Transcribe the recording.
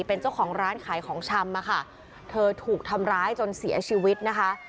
เป็นเจ้าของร้านขายของชำอะค่ะเธอถูกทำร้ายจนเสียชีวิตนะคะ